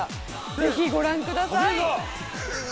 ぜひご覧ください。